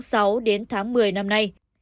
từ tháng sáu đến tháng một mươi năm nay